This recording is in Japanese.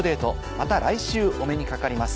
また来週お目にかかります。